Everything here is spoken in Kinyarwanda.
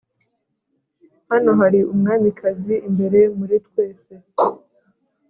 hano hari umwamikazi imbere muri twese.